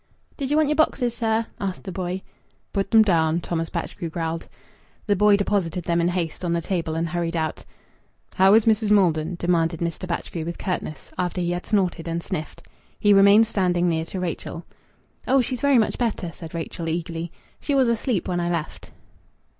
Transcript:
"Did you want your boxes, sir?" asked the boy. "Put 'em down," Thomas Batchgrew growled. The boy deposited them in haste on the table and hurried out. "How is Mrs. Maldon?" demanded Mr. Batchgrew with curtness, after he had snorted and sniffed. He remained standing near to Rachel. "Oh, she's very much better," said Rachel eagerly. "She was asleep when I left."